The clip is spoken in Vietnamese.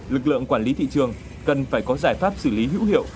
lực lượng quản lý thị trường cần phải có giải pháp xử lý hữu hiệu